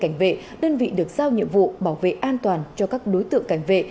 các đơn vị được giao nhiệm vụ bảo vệ an toàn cho các đối tượng cảnh vệ